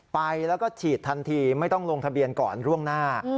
ไปแล้วก็ฉีดทันทีไม่ต้องลงทะเบียนก่อนล่วงหน้า